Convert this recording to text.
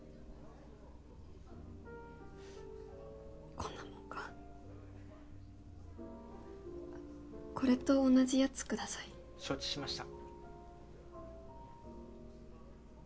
こんなもんかこれと同じやつください・承知しました